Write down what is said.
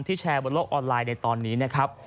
แชร์บนโลกออนไลน์ในตอนนี้นะครับ